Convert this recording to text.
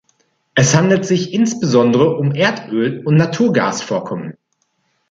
Es handelt sich insbesondere um Erdöl- und Naturgasvorkommen.